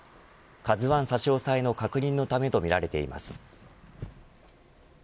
ＫＡＺＵ１差し押さえの確認のためとみられています。